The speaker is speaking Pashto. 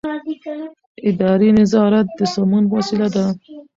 اداري نظارت د سمون وسیله ده.